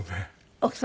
奥様